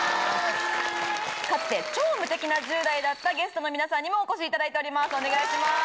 かつて超無敵な１０代だったゲストの皆さんにもお越しいただいております